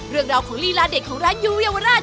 เรื่องราวของลีลาเด็ดของร้านยูเยาวราช